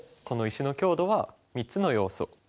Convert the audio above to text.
この石の強度は３つの要素